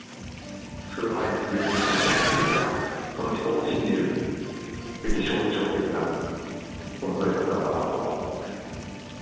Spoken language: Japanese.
崇拝すべき存在というか、その人を信じるべき象徴的な存在だったのかなとは思います。